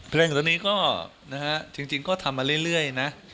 เพลงตัวนี้ก็จริงก็ทำมาเรื่อยนะ